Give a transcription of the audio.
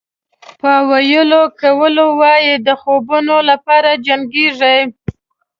پاویلو کویلو وایي د خوبونو لپاره جنګېږئ.